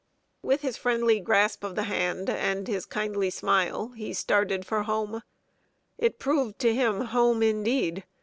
With his friendly grasp of the hand, and his kindly smile, he started for home. It proved to him Home indeed.